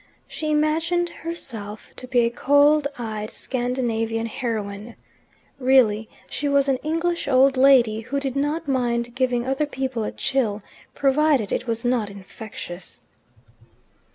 She imagined herself to be a cold eyed Scandinavian heroine. Really she was an English old lady, who did not mind giving other people a chill provided it was not infectious.